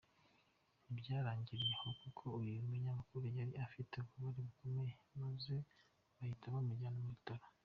Ntibyarangiriye aho, kuko uyu munyamakuru yari afite ububabare bukomeye, maze bahita bamujyana mu Bitaro.